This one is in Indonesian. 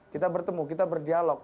kita bertemu kita berdialog